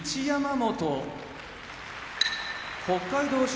山本北海道